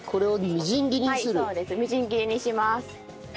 みじん切りにします。